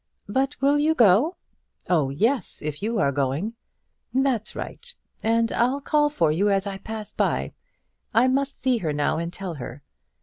"But will you go?" "Oh, yes, if you are going." "That's right; and I'll call for you as I pass by. I must see her now, and tell her.